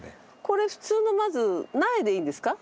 これ普通のまず苗でいいんですか？